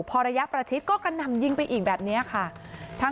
พอระยะประชิดก็กระหน่ำยิงไปอีกแบบนี้ค่ะ